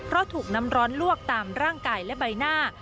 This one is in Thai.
เพราะถูกน้ำร้อนลวกตามร่างกายและใบหน้า